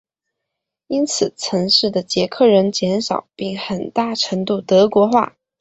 因此城市的捷克人减少并很大程度德国化。